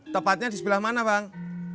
tepatnya di sebelah mana bang